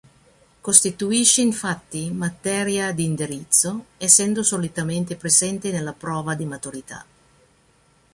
Costituisce infatti materia di indirizzo, essendo solitamente presente nella prova di maturità.